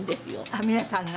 皆さんが？